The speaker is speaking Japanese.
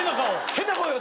変な顔よ